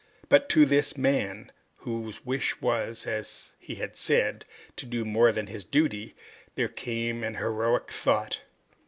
But to this man, whose wish was, as he had said, to do more than his duty, there came an heroic thought.